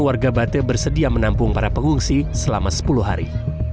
warga bate bersedia menampung para pengungsi selama sepuluh hari